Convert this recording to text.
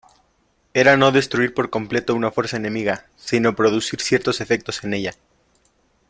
Era no destruir por completo una fuerza enemiga, sino producir ciertos efectos en ella.